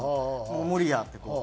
もう無理やってこう。